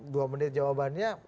dua menit jawabannya